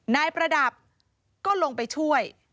ประดับก็ลงไปช่วย